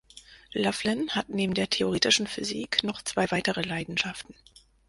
Laughlin hat neben der theoretischen Physik noch zwei weitere Leidenschaften.